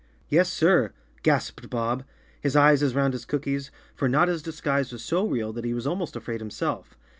"Yes, sir!" gasped Bob, his eyes as round as cookies, for Notta's disguise was so real that he was almost afraid himself.